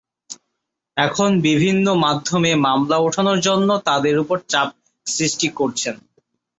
এখন বিভিন্ন মাধ্যমে মামলা ওঠানোর জন্য তাঁদের ওপর চাপ সৃষ্টি করছেন।